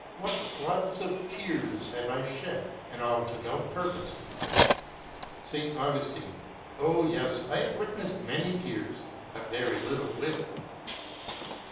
What floods of tears have I shed, and all to no purpose? S. Augustine. O yes, I have witnessed many tears, but very little will.